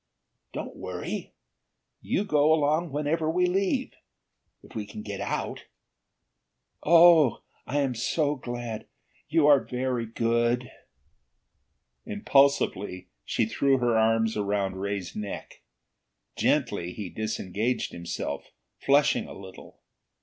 "Don't worry! You go along whenever we leave if we can get out." "Oh, I am so glad! You are very good!" Impulsively, she threw her arms around Ray's neck. Gently, he disengaged himself, flushing a little.